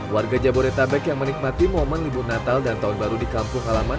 warga jabodetabek yang menikmati momen libur natal dan tahun baru di kampung halaman